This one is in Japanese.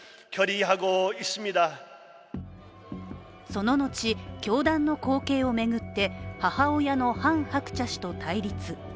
そののち、教団の後継を巡って母親のハン・ハクチャ氏と対立。